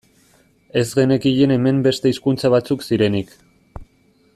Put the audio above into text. Ez genekien hemen beste hizkuntza batzuk zirenik.